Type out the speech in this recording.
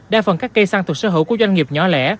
đa phần các cây săn thuộc sở hữu của doanh nghiệp nhỏ lẻ